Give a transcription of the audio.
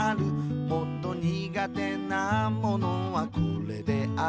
「もっと苦手なものはこれである」